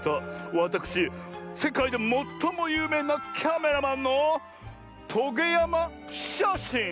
わたくしせかいでもっともゆうめいなキャメラマンのトゲやまシャシン！